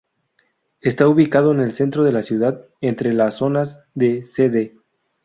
Está ubicado en el centro de la ciudad, entre las zonas de "Cd.